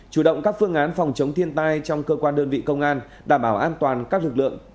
chủ động các phương án phòng chống thiên tai trong cơ quan đơn vị công an đảm bảo an toàn các lực lượng